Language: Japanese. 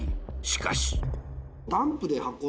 しかし。